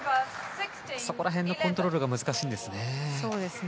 そこら辺のコントロールが難しいんですね。